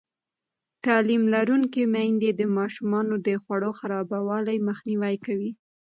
تعلیم لرونکې میندې د ماشومانو د خوړو خرابوالی مخنیوی کوي.